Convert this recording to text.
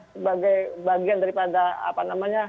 sebagai bagian daripada